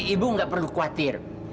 ibu gak perlu khawatir